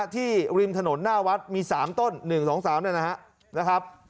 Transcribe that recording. ริมถนนหน้าวัดมี๓ต้น๑๒๓นะครับ